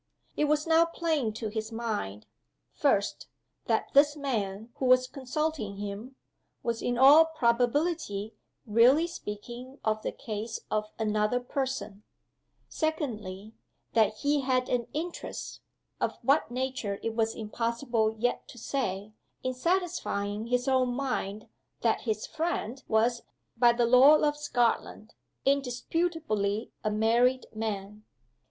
It was now plain to his mind first, that this man who was consulting him, was, in all probability, really speaking of the case of another person: secondly, that he had an interest (of what nature it was impossible yet to say) in satisfying his own mind that "his friend" was, by the law of Scotland, indisputably a married man.